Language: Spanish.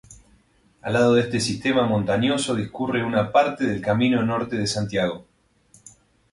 Al lado de este sistema montañoso discurre una parte del Camino Norte de Santiago.